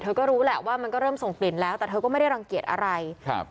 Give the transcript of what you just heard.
ก็รู้แหละว่ามันก็เริ่มส่งกลิ่นแล้วแต่เธอก็ไม่ได้รังเกียจอะไรครับ